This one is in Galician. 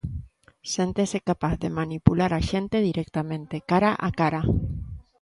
Séntese capaz de manipular a xente directamente, cara a cara.